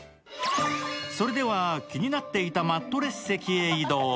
それでは、気になっていたマットレス席へ移動。